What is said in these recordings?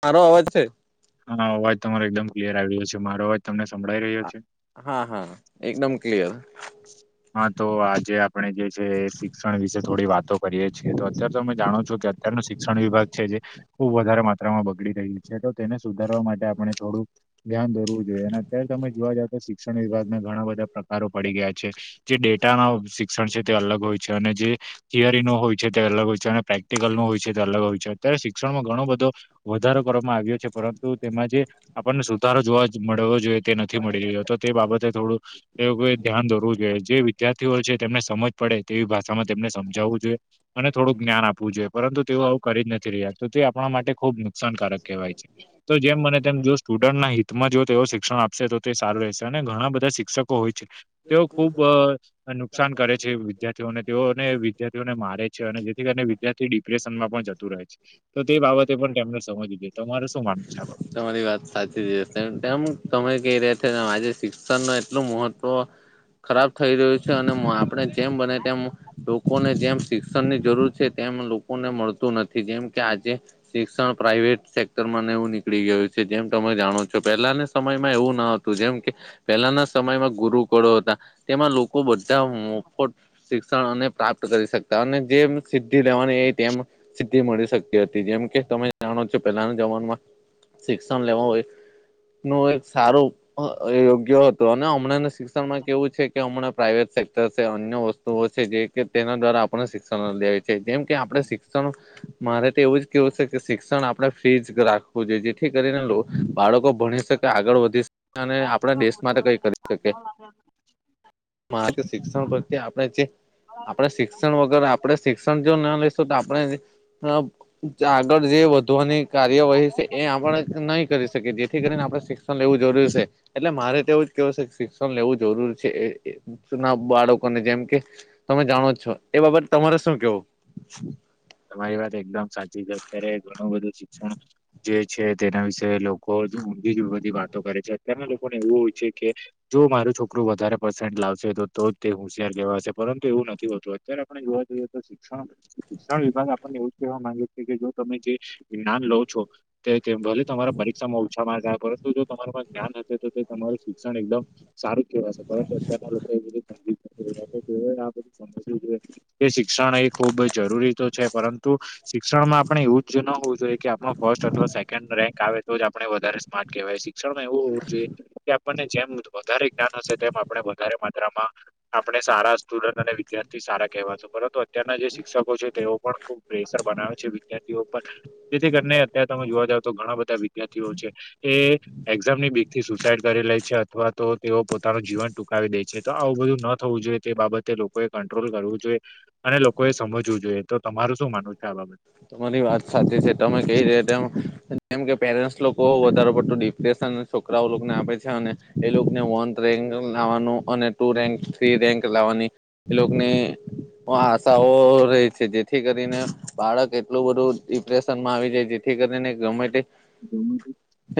સારો અવાજ છે. હા અવાજ તમારો એકદમ ક્લિયર આવી રહ્યો છે. મારો અવાજ તમને સંભળાઈ રહ્યો છે. હા હા એકદમ ક્લિયર. હા તો આજે આપણે જે છે શિક્ષણ વિશે થોડી વાતો કરીએ છીએ તો અત્યારે તો તમે જાણો છો કે તેમનું શિક્ષણ વિભાગ છે જે બો વધારે માત્રામાં બગડી રહ્યું છે તો તેને સુધારવા માટે આપણે થોડુંક ધ્યાન દય હોવું જોઈએ અને અત્યારે તમે જોવા જાવ તો શિક્ષણ વિભાગના ઘણા બધા પ્રકારો પડી ગયા છે. જે ડેટા ના શિક્ષણ છે તે અલગ હોય છે અને જે થિયરી નો હોય છે તે અલગ હોય છે અને પ્રેક પ્રેક્ટિકલ હોય છે તે અલગ હોય છે અત્યારે શિક્ષણમાં ઘણો બધો વધારો કરવામાં આવ્યો છે પરંતુ તેમાં જે આપણને સુધારો જોવા જ મળવો જોઈએ તે નથી મળી રહયો તો તે બાબતે થોડું એ ધ્યાન દોર હોવું જોઈએ જે વિદ્યાર્થીઓ છે તેમને સમજ પડે તેવી ભાષામાં તેમને સમજાવવું જોઈએ. અને થોડુંક જ્ઞાન આપવું જોઈએ પરંતુ તેઓ આવું કરી જ નથી રહ્યા તો તે આપણા માટે ખુબ નુકસાનકારક કહેવાય છે. તો જેમ બને તેમ જો સ્ટુડન્ટના હિતમાં જો તેઓ શિક્ષણ આપશે તો તે સારું રહેશે અને ઘણા બધા શિક્ષક હોય છે. તેઓ ખૂબ નુકસાન કરે છે વિદ્યાર્થીઓને તેઓને વિદ્યાર્થીઓને મારે છે અને જેથી કરીને ત્યાંથી ડિપ્રેશનમાં પણ જતું રહે છે તો તે બાબતે પણ તેમને સમજવુ જોઈએ. તમારે શું માનવું છે આ બાબત? તમારી વાત સાચી વાત. તેમ તમે કહી રહ્યા છો આજે શિક્ષણ નું એટલું મહત્વ ખરાબ થઈ રહ્યું છે અને આપણે અ જેમ બને તેમ લોકોને જેમ શિક્ષણની જરૂર છે તેમ લોકોને મળતું નથી જેમ કે આજે શિક્ષણ પ્રાઈવેટ સેક્ટર માં ને એવું નીકળી ગયું છે જેમ તમે જાણો છો. પેલાને સમયમાં એવું ના હતું જેમ કે પહેલાના સમયમાં ગુરુકુળો હતા તેમાં લોકો બધા મોફત શિક્ષણ અને પ્રાપ્ત કરી શકતા અને જેમ સિદ્ધિ લેવાની હોય તેમ સિદ્ધિ મળી શકતી હતી જેમ કે તમે જાણો છો પહેલાના જમાનામાં શિક્ષણ લેવા હોય નો એક સારો અ યોગ્ય હતું અને હમણાંનું શિક્ષણમાં કેવું છે કે હમણાં પ્રાાઈવેટ સેક્ટર છે, અન્ય વસ્તુ તો છે જે તેના દ્વારા આપણને શિક્ષણ લેય છે જેમ કે આપણે મારે તો એવું જ કેવું છે કે શિક્ષણ આપડે ફ્રીઝ રાખવું જોઈએ જેથી કરીને લોક બાળકો ભણી શકે આગળ વધી શકયે અને આપડા દેશ માટે કઈ કરી શકયે. [unintelligible] જ શિક્ષણ પ્રત્યે આપણે જે આપણે શિક શિક્ષણ વગર આપડણે શિક્ષણ જો ના લેશું તો આપણે આગળ જે વધવાની કાર્ય હોહી છે એ આપણે નહી કરી શકીએ જેથી કરીને આપણે શિક્ષ શિક્ષણ લેવું જરૂરી છે એટલે મારે તો એવું જ કેહવું છે શિક્ષણ લેવું જરૂરી છે. ના બાળકોને જેમ કે તમે જાણો છો એ બાબત તમારે શું કેવું? તમારી વાત એકદમ સાચી છે. અત્યારે ઘણું બધું શિક્ષણ જે છે તેના વિશે લોકો જ ઊંધી બધી વાતો કરે છે. અત્યારના લોકોને એવું હોય છે કે જો મારું છોકરું વધારે પર્સેન્ટ લાવશે તો જ તે હોશિયાર કેવા શે પરંતુ એવું નથી હોતું. અત્યારે આપણે જોવા જઈએ તો શિક્ષણ શિક્ષણ વિભાગ આપણને એવું જ કહેવા માંગે છે કે જો તમે જે જ્ઞાન લો છો. તે ભલે તમારા પરીક્ષામાં ઓછા માર્ગ આવ્યા પર તો જો તમાર મા જ્ઞાન હશે તો તે તમારુ શિક્ષણ એકદમ સારું કેવા સે [unintelligible] કે શિક્ષણ એ ખુબ જરૂરી છે પરંતુ શિક્ષણ માં આપણે એવું જ ન હોવું જોઈએ કે આપણ ફર્સ્ટ અથવા સેકન્ડ રેન્ક આવે તો જ આપડણે વધારે સ્માર્ટ કહેવાય શિક્ષણમાં એવું હોવું જોઈએ કે મને જેમ વધારે જ્ઞાન હશે તેમ આપણે વધારે માત્રામાં આપણે સારા સ્ટુડન્ટ અને વિદ્યાર્થી સારા કહેવા છ પરંતુ અત્યારના જે શિક્ષકો છે ઉપર ખુબ પ્રેેશર બનાવે છે વિદ્યાર્થીઓ પર જેથી કરીને અત્યારે તમે જોવા જાવ તો ઘણા બધા વિદ્યાર્થીઓ છે એ એક્ઝામ ની બીક થી સુસાઈડ કરીે લે છે અથવા તો તેઓ પોતાનું જીવન ટૂકાવી દે છે તો આવું બધું ન થવું જોઈએ તે બાબતે લોકોએ કંટ્રોલ કરવું જોઈએ અને લોકો એ સમજવું જોઈએ તો તમારું શું માનવું છે આ બાબત તમારી વાત સાચી છે તમે કહી રે તેમ જેમ કે પેરેન્ટ્સ લોકો વધારે પડતું ડિપ્રેશન છોકરાઓ લોકોને આપે છે અને એ લોકોને વન રેન્ક લાવવાનું અને ટુ રેન્ક થ્રી રેન્ક લાવવાની એ લોકોને આશાઓ રહેે છે જેથી કરીને બાળક એટલું બધું ડિપ્રેશનમાં આવી જાય જેથી કરીને ગમે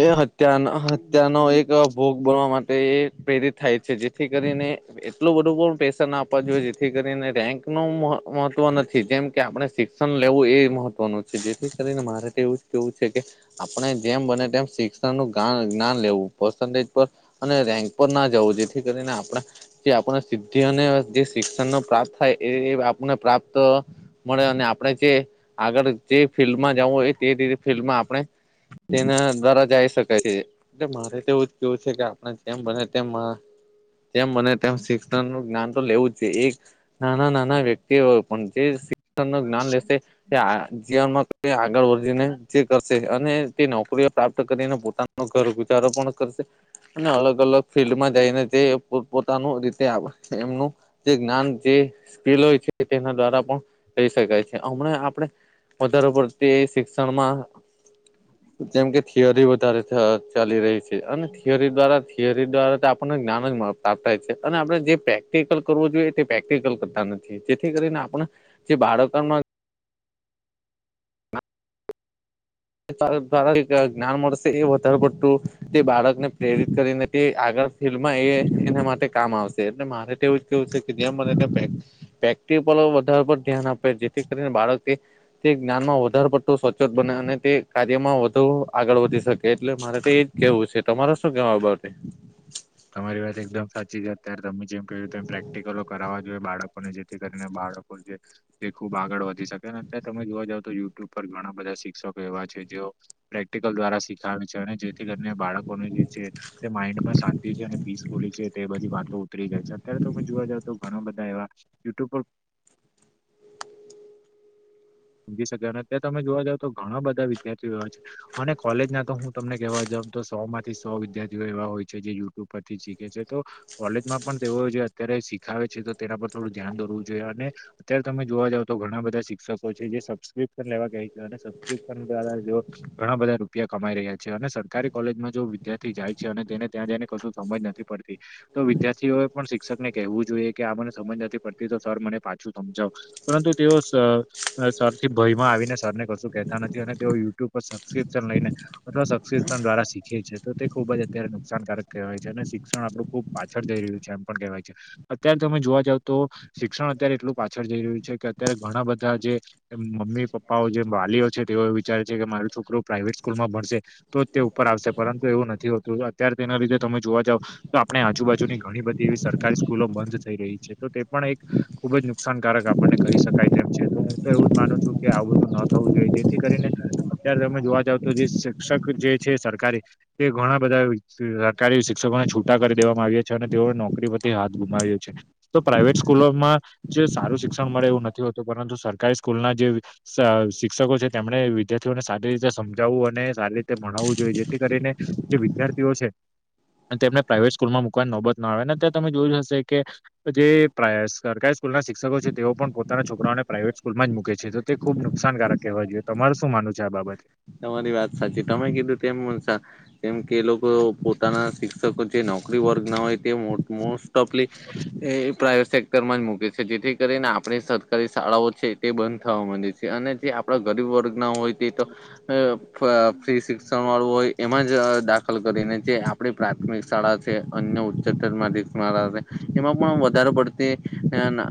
એ હત્યાનો હત્યાનો એક ભોગ બોલવા માટે એ પ્રેરિત થાય છે જેથી કરીને એટલું બધું પણ પ્રેશર ના આપવા જોઈએ જેથી કરીને રેન્ક નું મહત્વ નથી જેમ કે આપણે શ શિક્ષન લેવું એ મહત્વનું છે જેથી કરીને મારે એવું જ કેવું છે કે આપણે જેમ બને તેમ શિક્ષણ નુ ગા જ્ઞાન લેવું પરસેન્ટેજ પર અને રેન્ક પર ના જવું જેથી કરીને આપણે જે આપણે સિદ્ધિ અને જે શિક્ષણ ન પ્રાપ્ત થાય એ આપને પ્રાપ્ત મળે અને આપણે જે આગળ જે ફિલ્ડમાં જવું હોય તે ફિલ્ડમાં આપણે તેના દ્વારા જઈ શકે છે એટલે મારે તો એવું જ કેવું છે કે આપણે જેમ બને તેમા તેમ મને તેમ શિક્ષણ નું જ્ઞાન તો લેવું જોયે એક નાના નાના વ્યક્તિ જે શિક્ષણ ન જ્ઞાન લેશે જીવનમાં આગળ વધીને જે કરશે અને તે નોકરીઓ પ્રાપ્ત કરીને પોતાના ઘરગુચારો પણ કરશે અને અલગ અલગ ફિલ્ડમાં જઈને તે પો પોતાનું રીતે એમનું જે જ્ઞાન જે સ્કીલ હોય છે તેના દ્વારા પણ થાય છે હમણાં આપણે વધારે પડતી શિક્ષણમાં [inaudible] જેમ કે થિયરી વધારે ચાલી રહી છે અને થિયરી દ્વારા થિયરી દ્વારા આપણને જ્ઞાન જ મળ થ છે અને આપણે જે પ્રેક્ટિકલ કરવો જોઈએ તે પ્રેક્ટિકલ કરતા નથી જેથી કરીને આપણે જે બાળકોમાં દ્વારા જ્ઞાન મળશે એ વધારે પડતું તે બાળકને પ્રેરિત કરીને તે આગળ ફિલ્ એ એના માટે કામ આવશે એટલે મારે તો એવું જ કેવું છે કે જેમ મને પેક્ટ વધારે પર ધ્યાન આપે જેથી કરીને બાળકે તે જ્ઞાનમાં વધારે પડતો સવચોત બને અને તે કાર્યમાં વધુ આગળ વધી શકે એટલે મારે તે એજ કેવું છે તમારે શું કેવુ આ બાબતે તમારી વાત એકદમ સાચી છે અત્યારે તમે જેમ કમ પ્રેક્ટિકલો કરવા જોઈએ બાળકો જેથી કરીને બાળકો છે તે ખુબ આગળ વધી શકે ને તમે જોવા જાવ તો યુટ્યુબ પર ઘણા બધા શિક્ષકો એવા છે જે પ્રેક્ટિકલ દ્વારા શ અને જેથી કરીને બાળકોને જે છે તે માઇન્ડમાં અને પીસફુલી છે તે એ બધી વાતો ઉતરી જાય છે અત્યારે તો ત જોવા જાવ તો ઘણા બધા એવા યુટ્યુબ પર સમજી શકાય અને અત્યારે તમે જોવા જાવ તો ઘણા બધા વિદ્યાર્થીઓ એવા છે અને કોલેજના તો હું તમને કેવા જવ તો સો માંથી સો વિદ્યાર્થીઓ એવા હોય છે જે યુટ્યુબ પરથી શીખે છે તો કોલેજમાં પણ તેઓ જે અત્યારે શીખાવે છે તો તેના પર થોડું ધ્યાન દોરવું જોઈએ અને અત્યારે તમે જોવા જાવ તો ઘણા બધા શિક્ષકો પછી છે જે સબસ્ક્રિપ્શન લેવા કેહ છે અને સબસ્ક્રિપ્શન દ્વારા જો ઘણા બધા રૂપિયા કમાઈ રહ્યા છે અને સરકારી કોલેજમાં જો વિદ્યાર્થી જાય છે અને તેને ત્યાં જઈને કશું સમજ નથી. નથી પડતી. તો વિદ્યાર્થીઓ એ પણ શિક્ષક ને કહેવું જોઈએ કે આ મને સમજ નથી પડતી તો સર મને પાછું સમજાવ. પરંતુ તેઓ સ ને સરથી ભયમાં આવીને સરને કશું કહેતા નથી અને તેઓ યુટ્યુબ પર સબસ્ક્રિપ્શન લઈને અથવા સબસ્ક્રીપ્સન દ્વારા શીખે છે તો તે ખુબ જ અત્યારે નુકસાનકારક કહેવાય છે અને શિક્ષણ આપણું ખુબ પાછળ જઈ રહ્યું છે એમ પણ કહેવાય છે. અત્યારે તમે જોવા જાવ તો શિક્ષણ અત્યારે એટલું પાછળ જઈ રહ્યું છે કે અત્યારે ઘણા બધા ધા જે મમ્મી પપ્પાઓ જે વાલીઓ છે તેઓ વિચારે છે કે મારું છોકરું પ્રાાઈવેટ સ્કૂલ માં ભણશે તો તે ઉપર આવશે પરંતુ એવું નથી હોતું અત્યારે તેના લીધે તમે જોવા જાવ તો આપણે આજુબાજુની ઘણી બધી એવી સરકારી સ્કૂલો બંધ થઈ રહી છે તો તે પણ એક ખુબ જ નુકસાનકારક આપણને કહી શકાય તેમ છે. હું તો એવું જ માનું છું કે આવું બધું ન થવું જોઈએ જેથી કરીને અત્યારે તમે જોવા જાવ તો જે શિક્ષક જે છે સરકારી તે ઘણા બધા સરકારી શિક્ષકોને છૂટા કરી દેવામાં આવ્યા છે અને તેઓએ નોકરી પરથી હાથ ગુમાવ્યો છે. તો પ્રાાઈવેટ સ્કૂલોમાં જે સારું શિક્ષણ મળે એવું નથી હોતું પરંતુ સરકારી સ્કૂલના જે શ શિક્ષકો છે તેમણે વિદ્યાર્થીઓને સારી રીતે સમજાવવું અને સારી રીતે ભણાવવું જોઈએ જેથી કરીને જે વિદ્યાર્થીઓ છે તેમને પ્રાાઈવેટ સ્કૂલમાં મુકવાની નોબત ના આવે ને અત્યારે તમે જોયું હશે કે જે પ્રા સરકારી સ્કૂલના શિક્ષકો છે તેઓ પણ પોતાના છોકરાઓને પ્રાઈવેટ સ્કૂલમાં જ મુકે છે તો તે ખુબ નુકસાનકારક કહેવાય જોએ તમાર શું માનું છે આ બાબતે. તમારી વાત સાચી તમે કીધું તેમ મુનસા. કેમ કે એ લોકો પોતાના શિક્ષકો જે નોકરી વર્ગના હોય તે મો મો ટોપલી એ પ્રાઇવેટ સેક્ટર સેક્ટર માંજ મૂકે છે. જેથી કરીને આપણી સરકારી શાળાઓ છે તે બંધ થવા માંડે છે અને જે આપ આપણા ગરીબ વર્ગના હોય તે તો અ પ ફ્રી શિક્ષણ વાળું હોય એમાં જ અ દાખલ કરીને જે આપણી પ્રાથમિક શાળા છે અન્ય ઉચ્ચતર માદી માળા શાળા છે. એમાં પણ વધારે પડતી અન અ.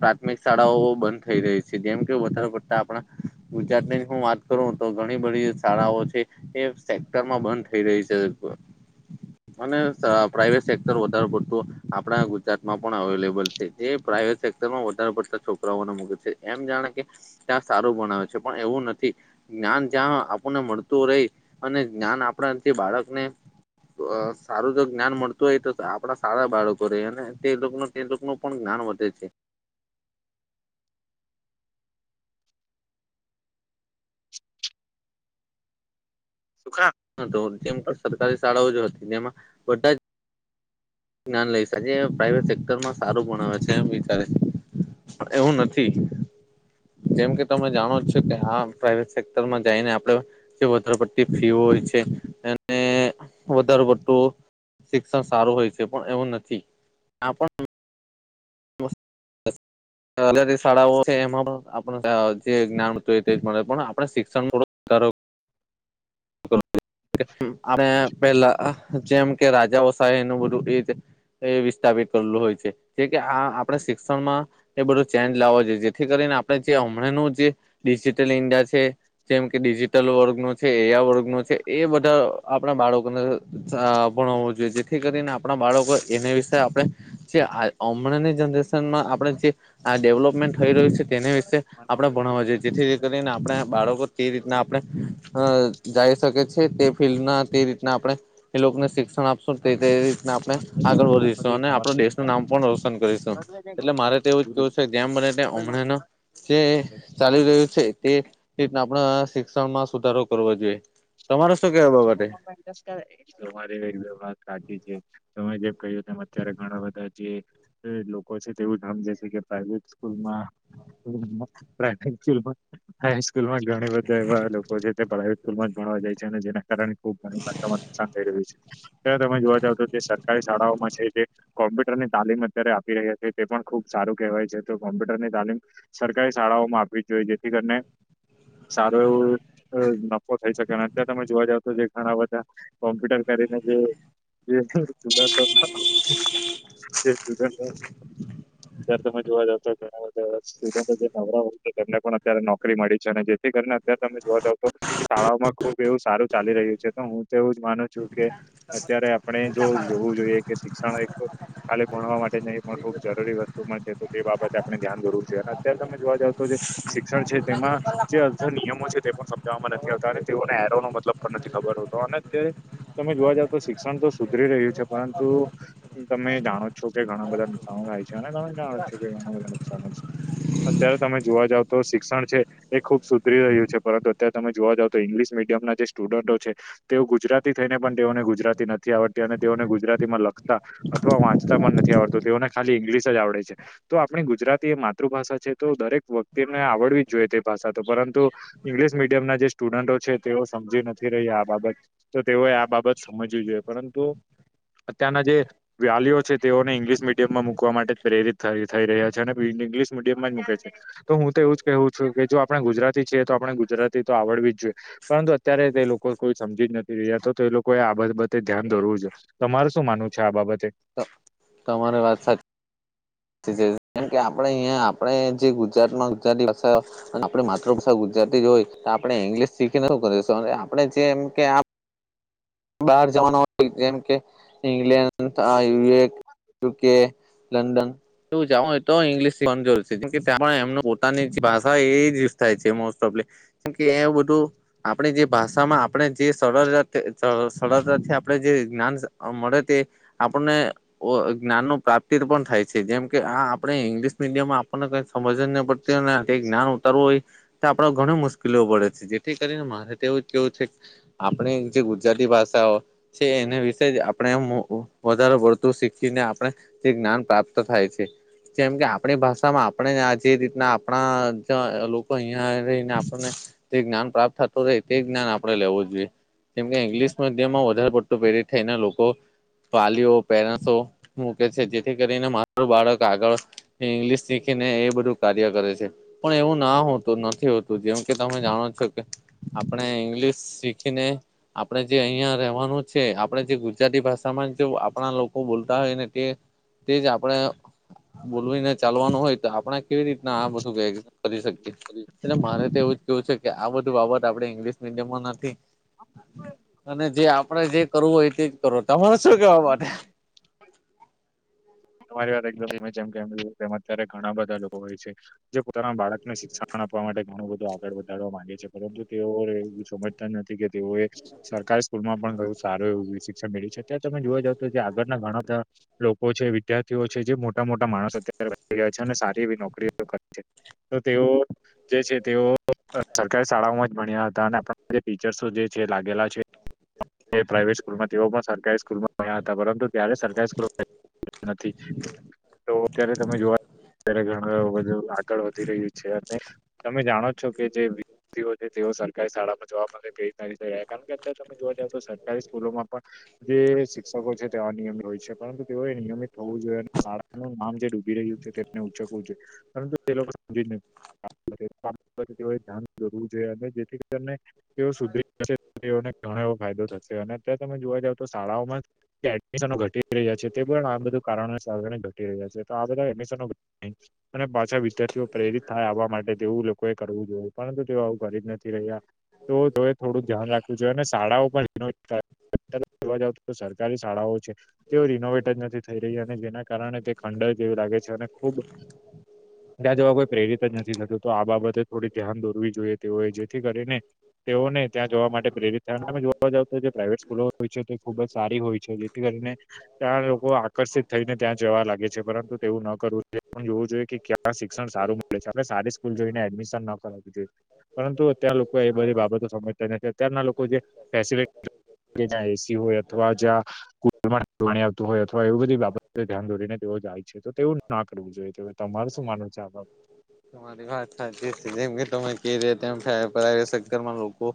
પ્રાથમિક શાળાઓ બંધ થઈ રહી છે જેમ કે વધારે પડતા આપણા ગુજરાત ની હું વાત કરું તો ઘણી બધી શાળાઓ છે એ સેક્ટરમાં બંધ થઈ રહી છે. [inaudible] અને સ પ્રાઇવેટ સેક્ટર વધારે પડતું આપણા ગુજરાતમાં પણ અવેલેબલ છે એ પ્રાઇવેટ સેક્ટર સેક્ટરમા વધારે પડતા છોકરાઓને મૂકે છે એમ જાણે કે ત્યાં સારું ભણાવે છે. પણ એવું નથી. જ્ઞાન જ્યાં આપણને મળતું રહે અને જ્ઞાન આપણાથી બાળકને અ સારું જો જ્ઞાન મળતું હોય તો આપણા સારા બાળકો ર ને તે લોકો ન એ લોકોનો પણ જ્ઞાન વધે છે. [inaudible] સુખા. હતો જેમ કે સરકારી શાળાઓ જ હતી જેમાં બધા જ જ્ઞાન લઈ શકે પ્રાઈવેટ સેક્ટરમાં સારું ભણાવે છે એમ વિચારે છે. એવું નથી જેમ કે તમે જાણો જ છો કે હા પ્રાાઈવેટ સેક્ટરમાં જઈને આપણે જે વધારે પડતી ફી હોય છે અને વધારે પડું શિક્ષણ સારું હોય છે પણ એવું નથી ત્યા પણ. અ સ સલરી શાળાઓ છે એમાં પણ આપ જે જ્ઞાનતું હોય તે મળે પણ આપ આપણે શિક્ષણ થોડું. અને પહેલા જેમ કે રાજાઓ શાહેનું બધું એ જ એ વિસ્થાપિત કરેલું હોય છે. જે કે આ આપણે શિક્ષણમાં એ બધો ચેન્જ લાવો જોઈએ જેથી કરીને આપણે જે હમણાંનું જે ડિજિટલ ઇન્ડિયા છે જેમ કે ડિજિટલ વર્ગ નો છે એ કે એ બધા આપણા બાળકોને ભણાવવું જોઈએ જેથી કરીને આપણા બાળકો એને વિશે આપ જે હમણાંની જનરેશનમાં આપણે જે ડેવલપમેન્ટ થઈ રહ્યું છે તેના વિશેે આપણે ભણવા જોઈએ જેથી કરીને આપણે બાળકો તે રીતના આપણે અ જાઈ શકે છે તે ફિલ્ડમાં તે રીતના આપણે એ લોકોને શિક્ષણ આપશું તે તે આપણે આગળ આખો વધીશું દિવસ અને આપણ તમારી દેશનું નામ પણ રોશન કરીશું એટલે મારે તેવું કું છે જેમ બને ત હમણાં જે ચાલી રહ્યું છે તે એ રીતના આપણે શિક્ષણ માં સુધારો કરવો જોઈએ તમારે શું કેવાય બાબતે રે વાત સાચી છે તમે જેમ કહ્યું તેમ અત્યારે ઘણા બધા જે લોકો છે તેવું જામજે છે કે પ્રાઈવેટ સ્કૂલમાં હ પ્ર [inaudible] હાઈસ્કૂલ માં ઘણી બધા એવા લોકો છે તે પ્રાઈ સ્કૂલમાં જ ભણવા જાય છે ને જેને, ખુબ ઘણી માત્રામાં નુકસાન થઈ રહ્યું છે ત્યારે તમે જોવા જાવ તો જે સરકારી શાળાઓમાં છે જે કોમ્પ્યુટરની તાલીમ અત્યારે આપી રહ્યા છે તે પણ ખુબ સારું કહેવાય છે તો કોમ્પ્યુટરની તાલીમ સરકારી શાળાઓમાં આપવી જોઈએ જેથી કરીને સારું એવું નફો થઈ શકે અને અતં તમે જોવા જાવ તો જે ઘણા બધા કોમ્પ્યુટર કરીને જે એ [inaudible] [unintelligible] તમે જોવા જતા ઘણા બધા જે નવરા હોય છે તેમને પણ અત્યારે નોકરી મળી છે અને જેથી કરીને તમે જોવા જાવ તો શાળા માં ખુબ એવું સારું ચાલી રહ્યું છે તો હું તો એવું જ માનું છું કે અત્યારે આપણે જો જોવું જોઈએ કે શિક્ષાના એક ખાલે ભણવા માટે ન એ પણ ખૂબ જરૂરી વસ્તુમાં છે તો તે બાબતે આપડણે ધ્યાન દવું જોઈએ અત્યારે તમે જોવા જતો જ એક શિક્ષણ છે તેમાં જે અધર નિયમો છે તે પણ સમજવામાં નથી આવતા અને તેઓને એરો ન મતલબ નથી ખબર હોતો અને અ તમે જોવા જ તો શિક્ષણ તો સુધરી રહ્યું છે પરંતુ, તમે જાણો છો કે ઘણા બધા નુકસાનો થાય છે અને તમે જાણો છો કે ઘણા બધા નુકસાાન છે અત્યારે તમે જોવા જાવ તો શિક્ષણ છે. એ ખુબ સુધરી રહ્યું છે પરંતુ અત્યારે તમે જોવા જાવ તો ઈંગ્લિશ મીડિયમના જે સ્ટુડન્ટો છે. તેઓ ગુજરાતી થઈને પણ તેઓને ગુજરાતી નથી આવડતી અને તેઓને ગુજરાતી માં લખતા અથવા વાંચતા પણ નથી આવડતું તેઓને ખાલી ઇંગ્લિશ જ આવડે છે. તો આપણી ગુજરાતી એ માતૃભાષા છે તો દરેક વ્યક્તિને આવડવી જ જોઈએ તે ભાષા તો પરંતુ ઈંગ્લિશ મીડિયમ જે સ્ટુડન્ટો છે તેઓ સમજી નથી રહી આ બાબત તો તેઓએ આ બાબત સમજવી જોઈએ પરંતુ અત્યારના જે વલીઓ છે તેઓને ઇંગ્લિશ મીડિયમમાં મુૂક માટે જ પ્રેરિત થ થઈ રહ્યા છે અને ઇંગ્લિશ મીડિયમમાં જ મૂકે છે તો હું તો એવું જ કહવું છું કે જો આપણે ગુજરાતી છીએ તો આપણે ગુજરાતી તો આવડવી જ જોઈએ પરંતુ અત્યારે તે લોકો કોઈ સમજી જ નથી રહ્યા તો તો એ લોકોએ આ બાબતે ધ્યાન ધરવું છે તમાર શું માનવું છે આ બાબતે? તમારી વાત સાચી! કારમ કે આપડણે અહીંયા આપણે જે ગુજરાતમાં ગુજરાતી ભાષા આપણી માતૃભાષા ગુજરાતી જ હોય તો આપણે ઈંગ્લિશ શીખીને શ કરીશું આપણે જેમ કે બહાર જવાના હોય જેમ કે ઇંગ્લેન્ડ, યુએ, યુકે લંડન એું જા તો ઇંગ્લિશ કજર છે જેમ એમ પોતાની ભાષા એ થાય છેસ્ટ ઓફલી કેમ કે એવ બધું આપણી જે ભાષામાં આપણે જે સરળતે સરળતાથી આપણે જે જ્ઞાન મળે તે આપણને જ્ઞાન ન પ્રાપ્તિ પણ થાય છે જેમ કે આ આપણે ઇંગ્લિશ મીડિયમમા ને કઈ સમજ જ ન પડતી જ્ઞાન ઉતારવું હોય આપડો ઘણ મુશ્કેલી પડે છે જેથી કરીને મારે તો એવું જ કેવું છે આપણે જે ગુજરાતી ભાષાઓ છે એને વિશે જ આપણે વધારે પળતું શીખીને આપણે જે જ્ઞાન પ્રાપ્ત થાય છે. જેમ કે આપણી ભાષામાં આપણે આ જે રીતના આપણા લોકો અહીયાં રહીને આપણને તે જ્ઞાન પ્રાપ્ત થતું રહે તે જ્ઞાન આપણેેવું જોઈએ જેમકે ઇંગ્લશ મિયમમાં વધારે પડતુ તો પેરી થાય લોકો વાલીઓ પેરેન્ટસો મૂકે છે જેથી કરીને મારું બાળક આગળ ઇંગ્લિશ શીખી ને એ બધું કાર્ય કરે છે. પણ એવું ના હોતું નથી હોતું જેમ કે તમે જાણો છો કે આપણે ઈંગ્લિશ શીખીને આપણે જે અહિયાં રહેવાનું છે આપણે જે ગુજરાતી ભાષામાં આપણા લોકો બોલતા હોય ને તે તે જ આપણેે બોલવીને ચાલવાનું હોય તો આપણે કેવી રીતના આ બધું કરી શકીએ એટલે મારે તો એવું કેવું છે કે આ બધું બાબત આપડે ઈંગ્લિશ મીડિયમમાં નથી. અને જે આપડે જે કરવું હોય તેજ કરવું. તમારે શું કેવા માટે? તમારી વાત એક જેમ કેમ એ અત્યારે ઘણા બધા લોકો હોય છે જે પોતાના બાળકને શિક્ષણ આપવા માટે ઘણું બધું આગળ વધારવા માંગે છે પરંતુ તેઓ એવું સમજ નથી કે તેવું એક સરકારી સ્કૂલ માં પણ બહ સારું એવું શિક્ષણ મેળ્યું છે અત્યારે તમે જોવા જાવ તો જે આગળના ઘણા બધા લોકો છે વિદ્યાર્થીઓ છે જે મોટા મોટા માણસ અત્યારે રહયા છે અને સારી એવી નોકરીઓ કરે છે. તો તેઓ જે છે તેઓ સરકારી શાળાઓમાં જ ભણ્યા હતા અને આપ જે ટીચર્સો જે છે લાગેલા છે. પ્રાાઈવેટ સ્કૂલમાં તેઓ પણ સરકારી સ્કૂલમાં રહયા હતા પરંતુ ત્યારે સરકારી સ્કૂલ તો અત્યારે તમે જોવા ત્યારે ઘણા બધુ આગળ વધી રહ્યું છે અને તમે જાણો છો કે જે વિથીઓ છે તેઓ સરકારી શાળામાં જોવા મળે ક કારણ કે અત્યારે તમે જોવા જાવ તો સરકારી સ્કૂલોમાં પણ જે શિક્ષકો છે તે અનિયમિત હોય છે પરંતુ તેઓ એ નિયમિત થવું જોઈએ અને શાળાનું નામ જે ડૂબી રહ્યું છે તેમને ઉચકવું જોઈએ પરંતુ તે લોકો સુધી એ ધ્યાન દવું જોઈએ અને જેથી તેમને તેઓ સુધરી જશે તેઓને ઘણો એવો ફાયદો થશે અને અત્યારે તમે જોવા જાવ તો શાળાઓમાં એડમિશ ઘટી રહ્યા છે તે પણ આ બધું કારણો સાાણી ઘટી રહ્યા છે તો આ બધા એડમિશ અને પાછા વિદ્યાર્થીઓ પ્રેરિત થાય આવા માટે તેવું લોકોએ કરવું જોયું પરંતુ તેઓ આવું કરીરીબ નથી રહ્યા. તો જો એ થોડુંક ધ્યાન રાખવું જોઈએ અને શાળાઓ પણ જોવા જાવ તો તો સરકારી શાળાઓ છે તેઓ રિનોવેટજ નથી થઈ રહી અને જેના કારણે તે ખંડ જેવું લાગે છે અને ખૂબ ત્યાં જવા કોઈ પ્રેરિત જ નથી થતું તો આ બાબતે થોડી ધ્યાન દોરવી જોઈએ તેઓએ જેથી કરીને તેઓને ત્યાં જોવા માટે પ્રેરિત થયા અમે જોવા જાવ તો જે પ્રાઇવેટ સ્કૂલો હોય છે તે ખુબ જ સારી હોય છે કરીને ત્યાં લોકો આકર્ષિત થઈને ત્યાં જવા લાગે છે પરંતુ તેવું ન કરવું પણ જોવું જોઈએ કે ક્યાં શિક્ષણ સારું આપણે સારી સ્કૂલ જોઈને એડમિશન ન કરાવવી જોઈએ. પરંતુ અતં લોકો એ બધી બાબતો સમજતા નથી છે અત્યારના લોકો જે ફેસલીટી જ્યાં એસી હોય અથવા જ્યાં કુલર પાણી આવતું હોય અથવા અથવા એવી બધી બાબતે ધ્યાન દોરીને તેઓ જાય છે તો તેવું ના કરવું જોઈએ તો તમારું શું માનવું છે આ? [inaudible] તમારી વાત સાચી છે જેમ કે તમે ક ર તેમ પ્રઇવેટ સેક્ટરમાં લોકો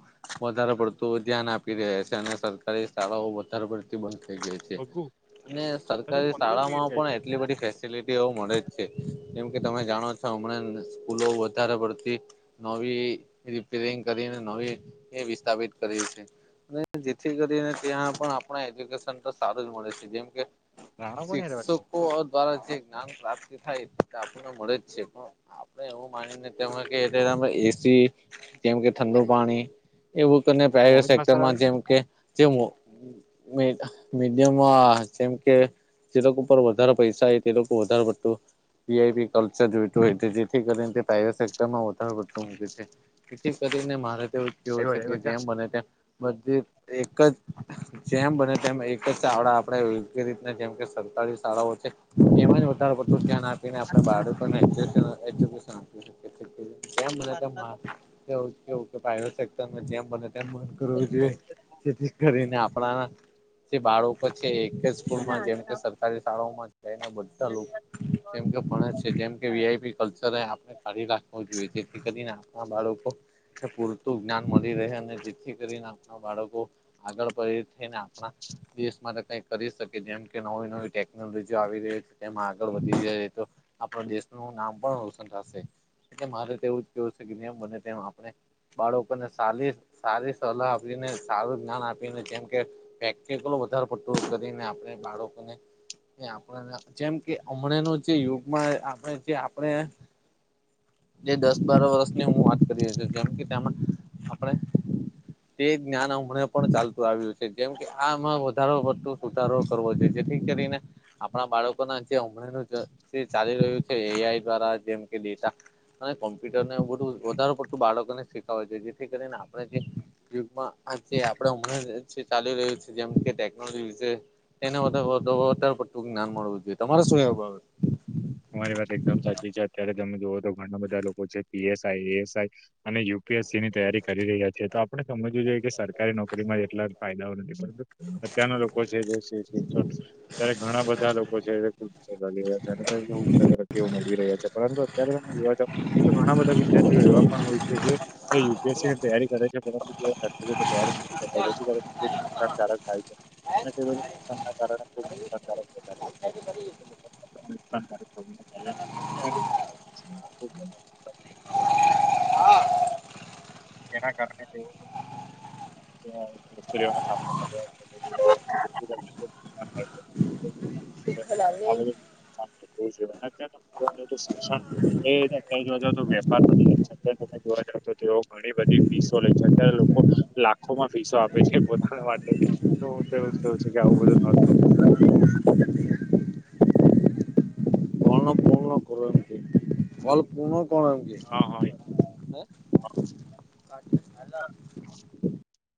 વધારે પડતું ધ્યાન આપી રહ્યા છે અને સરકારી શાળાઓ વધારે પડ બંધ થઈ ગઈ છે અઘું અને હજુ સરકારી પંદર મિનિટ શાળામાં થઈ પણ ગઈ. એટલી બધી ફેસિલિટીઓ મળે જ છે જેમ કે તમે જાણો છો મ સ્કૂલો વધારે પડતી નવી રિપેરિંગ કરીને નવી એ વિસ્થાપિત કરી છે. જેથી કરીને ત્યાં પણ આપણા એજ્યુકેશન તો સારું જ મળે છે જેમકે રાણા કોની હારે વાત શિક્ષકો દ્વારા જે જ્ઞાન પ્રાપ્તિ થાય તે આપણને મળે જ છે, પણ આપડે એવું માનીને તેમમાં કે એટલે તમે એસી જેમકે કરે? ઠંડુ મમ્મી પાણી એવું પ્રાઈવેટ જ મસ્ત સેક્ટરમાં આવ્યો જેમકે જે મીડિયમમાં જેમ કે જે લોકો ઉપર વધારે પૈસા તે લોકો વધારે પરતુ વીઆઈપી કલ્ચરલ જેથી કરીને તે પ્રઇવેટ સેક્ટરમાં વધાર પતું મૂકે છે. તેથી કરીને મારે તે કેવું છે કે આવ્યો જેમ મને ત્યાં બધી એક જ જેમ બને તેમ એક જ શાળા આપણેે યોગ્ય રીતના જેમ કે સરકારી શાળાઓ છે એમાં વધારે પડતું ધ્યાન [unintelligible] એ કેવું કે પ્રાઇવેટ સેક્ટરમાં જેમ બને મ કરવું જોઈએ જેથી કરીને આપણા જે બાળકો છે એક જ સ્કૂલમાં આવ્યો જા જેમકે સરકારી શાળાઓમાં બધા જેમકે ભણે છે જેમ કે વીઆઈ [unintelligible] આપણે કાઢી રાખ જોઈએ જેથી કરીને આપણા બાળકો એ પૂરતું જ્ઞાન મળી રહે અને જેથી કરીને આપણા બાળકો આગળ પ થઈને આપણા દેશ માટે કઈ કરી શકે જેમ કે નવી નવી ટેકનોલોજી આવી રહી છે. એમાં આગળ વધી જાય તો આપણા દેશનું નામ પણ રોશન થશે. એટલે મારે તો એવું જ કેવું છે કેમ બને તેમ આપણે બાળકોને સારી સારી સલાહ આપીને સારું જ્ઞાન આપીને જેમ કે પેટલો વધારે પટતું કરીને આપણે બાળકોને એ આપ જેમ કે હમણાં ન જે યુગમાં આપણે જે આપણે જે દસ બાર વર્ષની હું વાત કરી છ જેમ કે તેમાં આપણે તે જ્ઞાન અમને પણ ચાલતું આવ્યું છે જેમ કે આમાં વધારે પતું સુધારો કરવો જોઈએ. જેથી કરીને આપણા બાળકો જેમ ચાલી રહ્યું છે એઆઈ દ્વારા જેમ કે ડેટા અને કોમ્પ ટરને બું વધાર પડતું બાળકોને શીખાવે છે. જેથી કરીને આપણે જે યુગમાં આ જે આપડે હમણાં જે ચાલી રહ્યું છે જેમ કે ટેકનોલોજીશે તેને બધાુંક જ્ઞાન મળવું જોઈએ તમારે શું? [unintelligible] અરી વાત એકદમ સાચી છે અત્યારે તમે જોુવ તો ઘણા બધા લોકો છે પીએસઆઈ એસઆઈ અને યુપીએસસી ની તૈયારી કરી રહ્યા છીએ. તો આપણે સમજવું જોઈએ કે સરકારી નોકરી માં એટલા ફાયદાઓ નથીત અત્યારના લોકો છે જે ત્યારે ઘણા બધા લોકો છે ખૂબ [unintelligible] રહ્યા અને મળવી રહ્યા છે પરંતુ અત્યારે તમે જોવા જ તો ઘણા બધા વિદ્યાર્થીઓ એવા પણ હોય છે જે એ યુપીએસસી ની તૈય કરે છે પરંતુ તે તો તૈયાર નથી ખબ નુકસાનકારક થાય છે [inaudible] કારણે [inaudible] [unintelligible] [unintelligible] [unintelligible] તેના કારણે તેઓ [unintelligible] [inaudible] છે. આ બધું [unintelligible] થવું જોઈએ અને અત તમે જો તો શિક્ષણ એ અત જોવા જાવ તો વેપાર બની જ છે. અત્યારે તમે જોવા જાવઓ તો તેઓ ઘણી બધી ફીસો લે છે અત્યારે લોકો. લાખોમાં ફીસો આપે છે પોધના માટે તો તેવ કેું છે કે આવું બધું નતું ઓ તુણ કોણ હા હા.